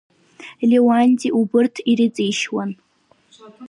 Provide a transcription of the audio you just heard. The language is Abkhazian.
Леуанти убарҭ ирыҵишьуан.